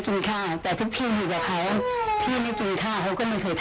ซ้ายเห็นไม่กินข้าวอ